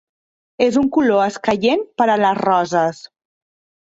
És un color escaient per a les rosses.